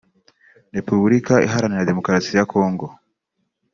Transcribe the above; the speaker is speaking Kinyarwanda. Repubulika Iharanira Demokarasi ya Congo